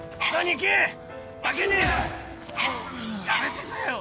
もうやめてくれよ